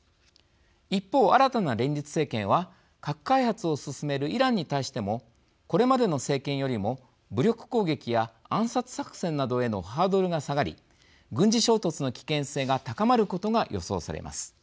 一方、新たな連立政権は核開発を進めるイランに対してもこれまでの政権よりも武力攻撃や暗殺作戦などへのハードルが下がり軍事衝突の危険性が高まることが予想されます。